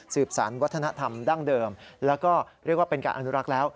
สารวัฒนธรรมดั้งเดิมแล้วก็เรียกว่าเป็นการอนุรักษ์แล้ว